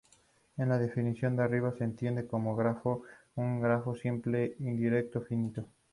En la definición de arriba se entiende como grafo un grafo simple indirecto finito.